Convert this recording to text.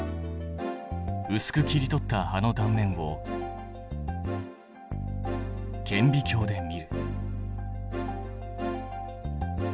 うすく切り取った葉の断面を顕微鏡で見る。